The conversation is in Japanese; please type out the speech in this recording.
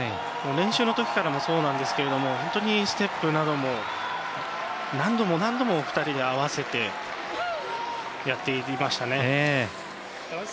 練習のときからもそうなんですけどステップなども何度も何度も２人で合わせてやっていましたね。